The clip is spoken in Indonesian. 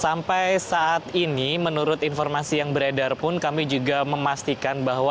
sampai saat ini menurut informasi yang beredar pun kami juga memastikan bahwa